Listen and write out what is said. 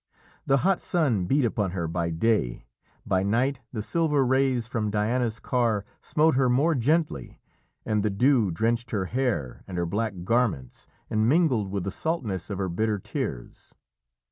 The hot sun beat upon her by day. By night the silver rays from Diana's car smote her more gently, and the dew drenched her hair and her black garments and mingled with the saltness of her bitter tears.